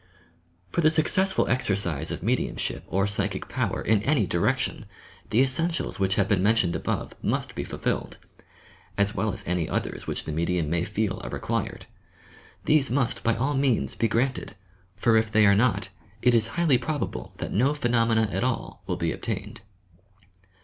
For the successful exercise of mediumship or psychic power in any direction, the essentials which have been mentioned above must be fulfilled, as well as any others which the medium may feel are required. These must by all means be granted, for if they are not, it is highly probable that no phenomena at all will be obtained.